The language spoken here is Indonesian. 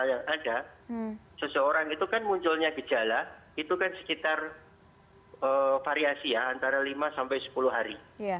yang ada seseorang itu kan munculnya gejala itu kan sekitar variasi ya antara lima sampai sepuluh hari